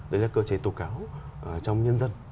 đấy là cơ chế tố cáo trong nhân dân